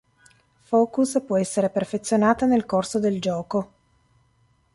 Focus può essere perfezionata nel corso del gioco.